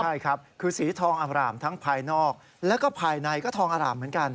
ใช่ครับคือสีทองอร่ามทั้งภายนอกแล้วก็ภายในก็ทองอร่ามเหมือนกัน